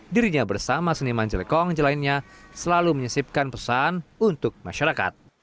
dirinya bersama seniman jelekong jelainnya selalu menyisipkan pesan untuk masyarakat